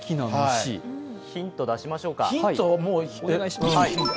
ヒント出しましょうか。